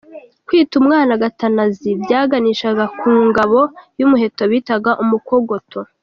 Kwita umwana Gatanazi byaganishaga ku ngabo y’umuheto bitaga Umukogoto.